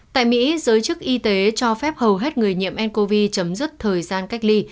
tại mỹ giới chức y tế cho phép hầu hết người nhiễm ncov chấm dứt thời gian cách ly